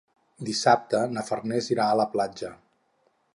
Dissabte na Farners irà a la platja.